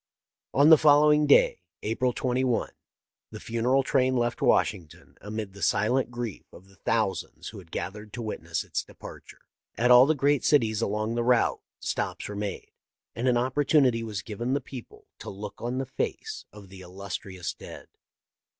On the following day (April 2i) the funeral train left Washington amid the si lent grief of the thousands who had gathered to wit ness its departure. At all the great cities along the route stops were made, and an opportunity was given the people to look on the face of the illustrious dead.